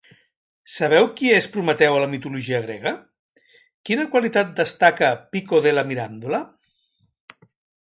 Sabeu qui és Prometeu a la mitologia grega? Quina qualitat destaca Pico della Mirandola?